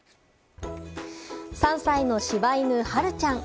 ３歳の柴犬・はるちゃん。